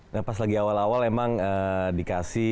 nah pas lagi awal awal emang dikasih